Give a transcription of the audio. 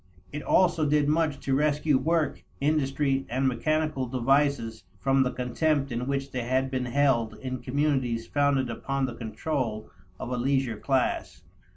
It also did much to rescue work, industry, and mechanical devices from the contempt in which they had been held in communities founded upon the control of a leisure class.